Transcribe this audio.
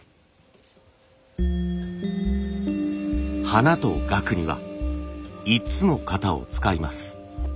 花とがくには５つの型を使います。